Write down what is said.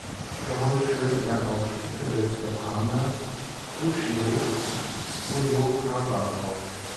Wiederholt führte er auch Stücke des Japaners Toshio Hosokawa auf.